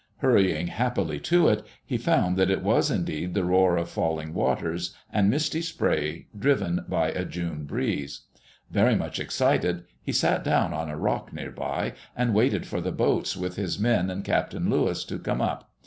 Hurrying happily to it, he found that it was indeed the roar of falling waters and misty spray driven by a June breeze. Very much excited, he sat down on a rock near by and waited for the boats, with his men and Captain Lewis, to come up.